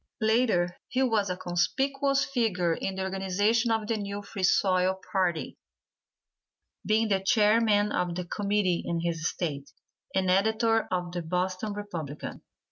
Later, he was a conspicuous figure in the organization of the new Free Soil party, being the Chairman of the committee in his State, and editor of the Boston Republican.